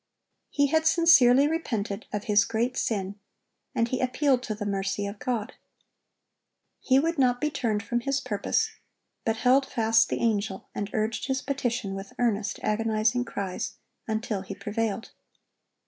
He had sincerely repented of his great sin, and he appealed to the mercy of God. He would not be turned from his purpose, but held fast the Angel, and urged his petition with earnest, agonizing cries, until he prevailed.